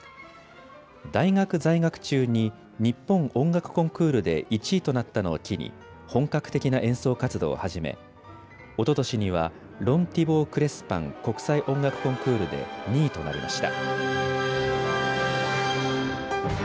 大学在学中に日本音楽コンクールで１位となったのを機に本格的な演奏活動を始めおととしにはロン・ティボー・クレスパン国際音楽コンクールで２位となりました。